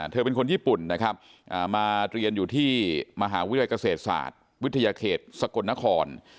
เป็นคนญี่ปุ่นนะครับมาเรียนอยู่ที่มหาวิทยาลัยเกษตรศาสตร์วิทยาเขตสกลนคร